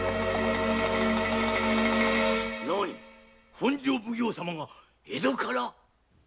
本所奉行様が江戸から？